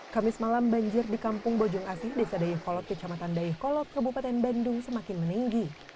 kamis malam banjir di kampung bojong asih desa dayakolot kecamatan dayakolot kabupaten bandung semakin meninggi